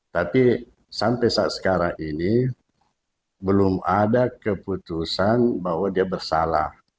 tapi sampai saat sekarang ini belum ada keputusan bahwa dia bersalah